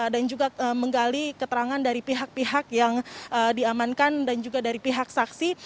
dan juga menggali keterangan dari pihak pihak yang diamankan dan juga dari pihak saksi